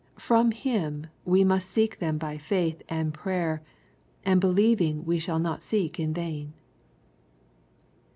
From Him we must seek them by faith and prayer, and believing we shall not seek in vain.